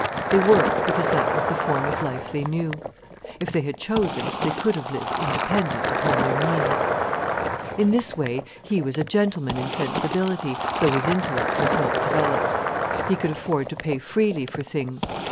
They worked because that was the form of life they knew. If they had chosen, they could have lived independent upon their means. In this way, he was a gentleman in sensibility, though his intellect was not developed. He could afford to pay freely for things.